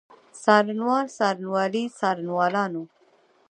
څارنوال، څارنوالي، څارنوالانو.